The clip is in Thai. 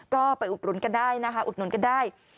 ก็ไปอุดหนุนกันได้